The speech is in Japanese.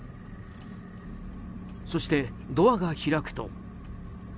そして、ドアが開くと。